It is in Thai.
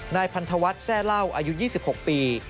นายพันธวัฒน์แซ่เล่าอายุ๒๖ปี